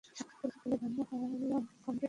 সাক্ষাৎ পেয়ে ধন্য হলাম, কমরেড লেনিন।